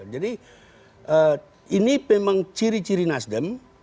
jadi ini memang ciri ciri nasdem